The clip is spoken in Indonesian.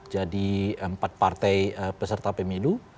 jadi empat partai peserta pemilu